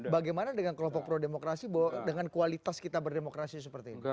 bagaimana dengan kelompok pro demokrasi dengan kualitas kita berdemokrasi seperti ini